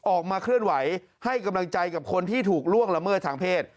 ออกมาเคลื่อนไหวให้กำลังใจกับคนที่ถูกล่วงละเมิดทางเพศ